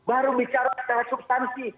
baru bicara secara substansi